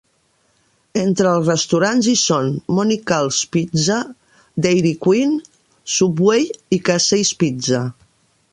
Entre els restaurants hi són Monical's Pizza, Dairy Queen, Subway i Casey's Pizza.